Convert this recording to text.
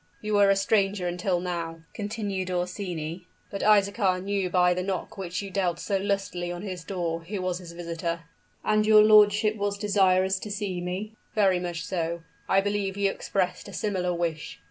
"You were a stranger until now," continued Orsini; "but Isaachar knew by the knock which you dealt so lustily on his door, who was his visitor." "And your lordship was desirous to see me?" "Very much so. I believe you expressed a similar wish?"